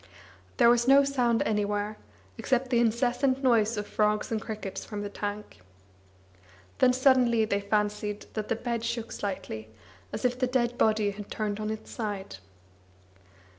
There was no sound anywhere, except the incessant noise of frogs and crickets from the tank. Then suddenly they fancied that the bed shook slightly, as if the dead body had turned on its side.